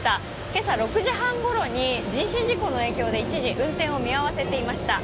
今朝６時半ごろに人身事故の影響で一時、運転を見合わせていました。